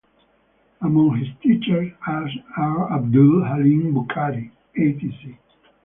Among his teachers are Abdul Halim Bukhari etc.